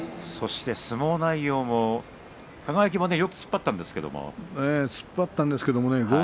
そして相撲内容も輝、よく突っ張ったんですけれども。